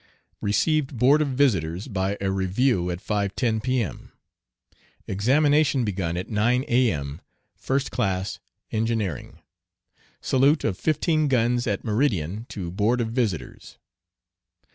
Received Board of Visitors by a review at 5.10 P.M. Examination begun at 9 A.M. First class, engineering. Salute of fifteen guns at meridian to Board of Visitors.